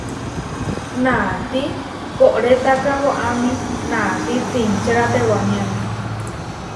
Naati koʼrétaka waʼámi naáti trinčéra tewániame.